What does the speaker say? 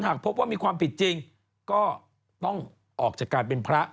หากพบว่ามีความผิดจริงก็ต้องออกจากการเป็นพระ